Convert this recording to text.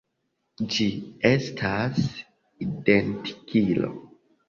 Ĝi estas identigilo.